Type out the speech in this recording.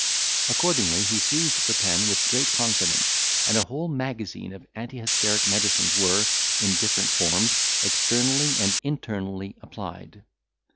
Accordingly he seized the pen with great confidence, and a whole magazine of antihysteric medicines were, in different forms, externally and internally applied.